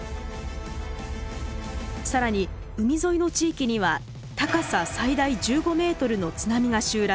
更に海沿いの地域には高さ最大１５ｍの津波が襲来。